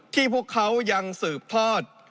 ที่พวกเขายังสืบพลอด